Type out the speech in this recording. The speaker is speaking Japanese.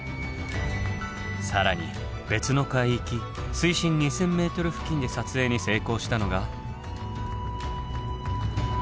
更に別の海域水深２，０００ｍ付近で撮影に成功したのが。